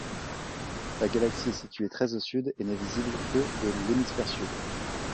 La galaxie est située très au sud et n'est visible que de l'hémisphère sud.